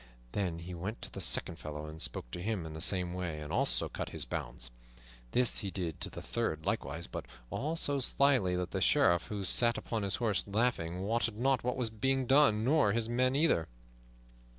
Then he went to the second fellow, and spoke to him in the same way, and also cut his bonds. This he did to the third likewise, but all so slyly that the Sheriff, who sat upon his horse laughing, wotted not what was being done, nor his men either.